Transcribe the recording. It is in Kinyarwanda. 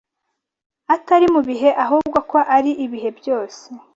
“atari mu bihe ahubwo ko ari ibihe byose